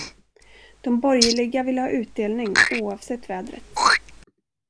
De borgerliga ville ha utdelning oavsett vädret.